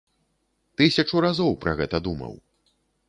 Тысячу разоў пра гэта думаў.